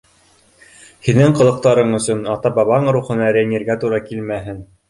Һинең ҡылыҡтарың өсөн ата-бабаң рухына рәнйергә тура килмәһен.